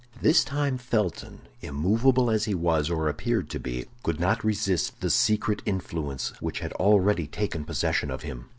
This time Felton, immovable as he was, or appeared to be, could not resist the secret influence which had already taken possession of him.